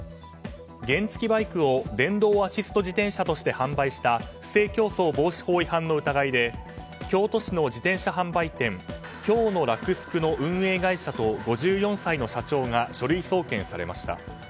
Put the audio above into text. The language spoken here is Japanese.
原付きバイクを電動アシスト自転車として販売した不正競争防止法違反の疑いで京都市の自転車販売店京の洛スクの運営会社と５４歳の社長が書類送検されました。